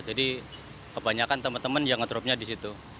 jadi kebanyakan teman teman yang ngetropnya di situ